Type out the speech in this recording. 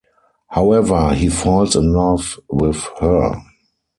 However, he falls in love with her.